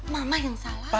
mama yang salah